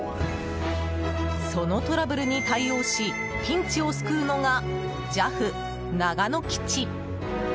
そのトラブルに対応しピンチを救うのがＪＡＦ長野基地。